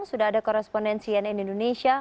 sudah ada korespondensi yang di indonesia